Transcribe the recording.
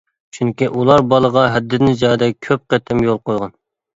چۈنكى ئۇلار بالىغا ھەددىدىن زىيادە كۆپ قېتىم يول قويغان.